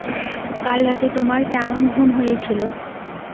কাল রাতে তোমার কেমন ঘুম হয়েছিল?